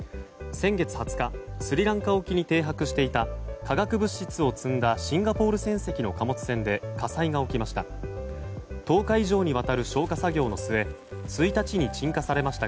先月２０日スリランカ沖に停泊していた化学物質を積んだシンガポール船籍の貨物船で火災が起きました。